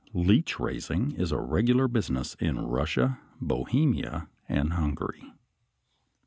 Leech raising is a regular business in Russia, Bohemia, and Hungary.